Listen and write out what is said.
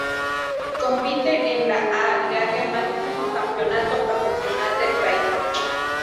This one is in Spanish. Compite en la A-League, máximo campeonato profesional del país.